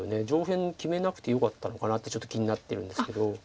上辺決めなくてよかったのかなってちょっと気になってるんですけど。